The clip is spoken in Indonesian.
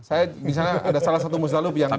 saya misalnya ada salah satu musdalub yang